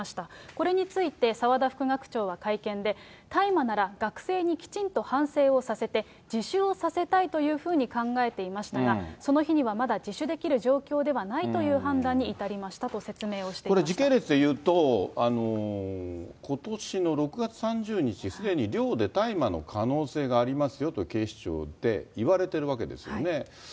これについて澤田副学長は会見で、大麻なら学生にきちんと反省をさせて、自首をさせたいというふうに考えていましたが、その日にはまだ自首できる状況ではないという判断に至りましたとこれ、時系列でいうと、ことしの６月３０日、すでに寮で大麻の可能性がありますよと警視庁で言われてるわけですよね。